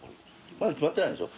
まだ決まってないんでしょ？